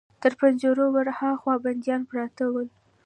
تر پنجرو ور هاخوا بنديان پراته ول.